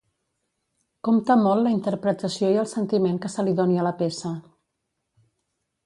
Compte molt la interpretació i el sentiment que se li doni a la peça.